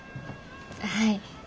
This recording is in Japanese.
はい。